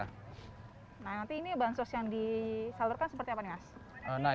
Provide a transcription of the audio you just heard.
nah nanti ini bansos yang disalurkan seperti apa nih mas